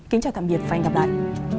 kính chào tạm biệt và hẹn gặp lại